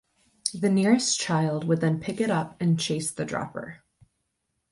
The nearest child would then pick it up and chase the dropper.